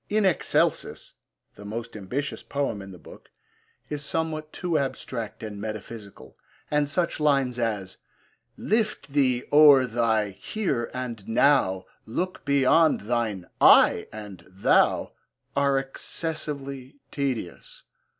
In Excelsis, the most ambitious poem in the book, is somewhat too abstract and metaphysical, and such lines as Lift thee o'er thy 'here' and 'now,' Look beyond thine 'I' and 'thou,' are excessively tedious.